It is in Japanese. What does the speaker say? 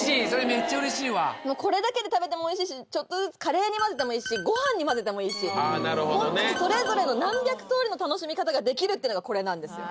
めっちゃうれしいわこれだけで食べても美味しいしちょっとずつカレーに混ぜてもいいしあぁなるほどねホントにそれぞれの何１００通りの楽しみ方ができるっていうのがこれなんですよ